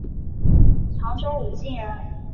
常州武进人。